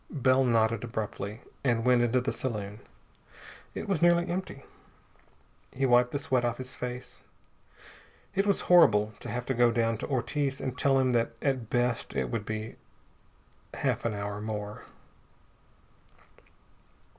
Bell nodded abruptly and went into the saloon. It was nearly empty. He wiped the sweat off his face. It was horrible to have to go down to Ortiz and tell him that at best it would be half an hour more....